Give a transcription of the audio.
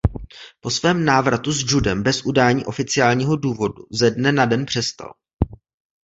Po svém návratu s judem bez udání oficiálního důvodu ze dne na den přestal.